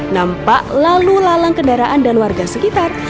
nampak lalu lalang kendaraan dan warga sekitar